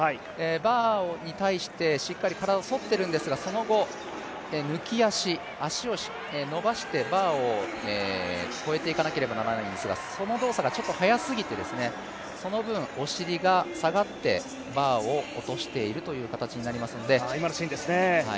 バーに対してしっかり体を反っているんですが、その後、抜き足、足を伸ばしてバーを越えていかなければならないんですが、その動作がちょっと速すぎて、その分、お尻が下がってバーを落としているという形になりますので。